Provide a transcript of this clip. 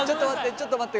ちょっと待って！